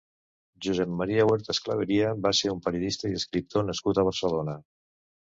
Josep Maria Huertas Claveria va ser un periodista i escriptor nascut a Barcelona.